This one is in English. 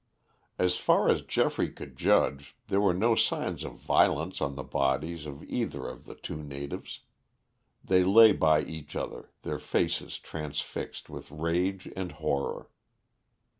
As far as Geoffrey could judge, there were no signs of violence on the bodies of either of the natives. They lay by each other, their faces transfixed with rage and horror.